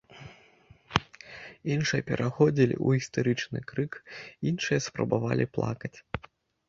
Іншыя пераходзілі ў істэрычны крык, іншыя спрабавалі плакаць.